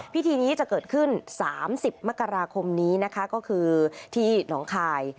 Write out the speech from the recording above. พิธีนี้จะเกิดขึ้น๓๐มกราคมนี้นะคะก็คือที่หนองคาย